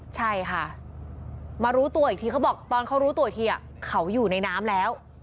ใช่ค่ะมารู้ตัวอีกทีเขาบอกตอนเขารู้ตัวอีกทีเขาอยู่ในน้ำแล้ว